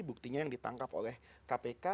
buktinya yang ditangkap oleh kpk